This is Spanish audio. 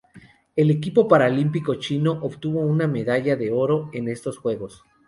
El equipo paralímpico chino obtuvo una medalla de oro en estos Juegos.